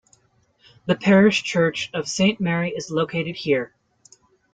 The parish church of Saint Mary is located here.